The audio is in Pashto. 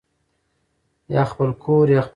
ـ يا خپل کور يا خپل ګور.